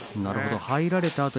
入られた